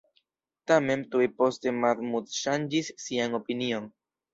Tamen, tuj poste Mahmud ŝanĝis sian opinion.